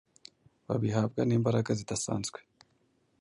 babihabwa n’imbaraga zidasanzwe